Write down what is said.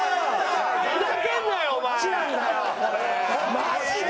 マジで！？